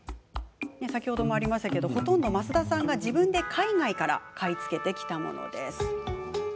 ほとんど増田さんが自分で海外から買い付けてきたものです。